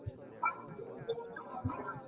মারিফুল হাসান, সূত্র সিনেট